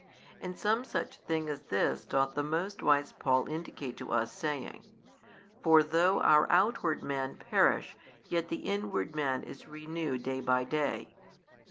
|202 And some such thing as this doth the most wise Paul indicate to us saying, For though our outward man perish yet the inward man is renewed day by day.